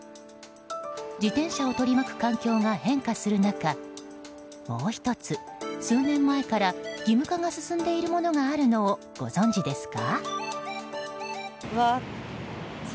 自転車を取り巻く環境が変化する中もう１つ、数年前から義務化が進んでいるものがあるのをご存知ですか？